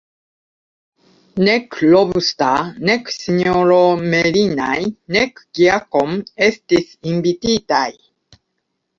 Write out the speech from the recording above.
Nek Lobster, nek S-ro Merinai, nek Giacomo estis invititaj.